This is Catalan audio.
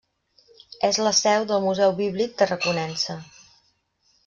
És la seu del Museu Bíblic Tarraconense.